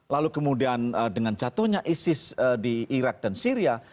lalu kemudian dengan jatuhnya isis di irak dan syria